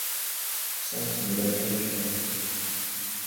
Centre de la Californie.